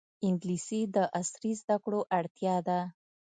انګلیسي د عصري زده کړو اړتیا ده